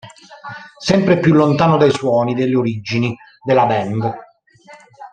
Sempre più lontano dai suoni delle origini della band.